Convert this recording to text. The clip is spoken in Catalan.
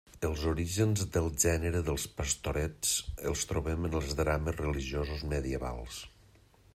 Els orígens del gènere dels pastorets els trobem en els drames religiosos medievals.